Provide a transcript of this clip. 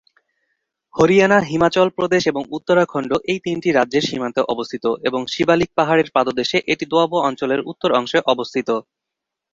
হরিয়ানা, হিমাচল প্রদেশ এবং উত্তরাখণ্ড এই তিনটি রাজ্যের সীমান্তে অবস্থিত, এবং শিবালিক পাহাড়ের পাদদেশে, এটি দোয়াব অঞ্চলের উত্তর অংশে অবস্থিত।